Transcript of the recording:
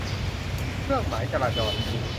เครื่องหมายจราจร